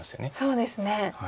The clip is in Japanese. そうですね。